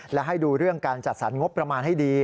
และให้ดูเรื่องการจัดสรรงบประมาณให้ดี